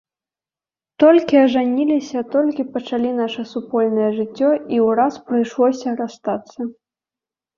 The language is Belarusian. Толькі ажаніліся, толькі пачалі наша супольнае жыццё і ўраз прыйшлося расстацца.